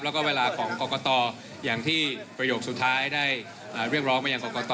แล้วก็เวลาของกรกตอย่างที่ประโยคสุดท้ายได้เรียกร้องมายังกรกต